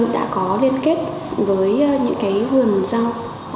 đã có liên kết với những cái vườn rau